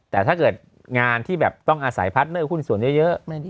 แต่ถ้าเกิดงานที่ต้องอาศัยพัฒน์เนื้อหุ้นส่วนเยอะ